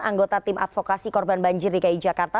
anggota tim advokasi korban banjir dki jakarta